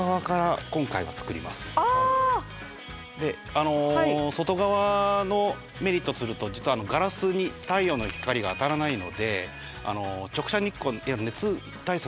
あの外側のメリットとすると実はガラスに太陽の光が当たらないので直射日光いわゆる熱対策